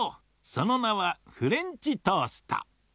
そのなは「フレンチトースト」。